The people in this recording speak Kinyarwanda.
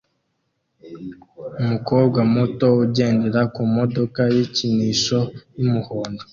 Umukobwa muto ugendera kumodoka yikinisho yumuhondo